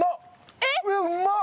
えっうまっ！